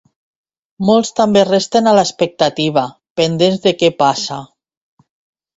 Molts també resten a l’expectativa, pendents de què passa.